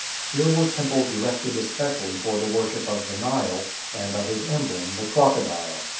Here were temples erected especially for the worship of the Nile and of his emblem the crocodile.